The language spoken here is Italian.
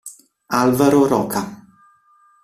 Álvaro Roca